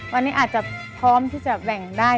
วันนี้อาจจะพร้อมที่จะแบ่งได้